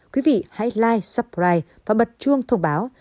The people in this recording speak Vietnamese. quý vị hãy like subscribe và bật chuông thông báo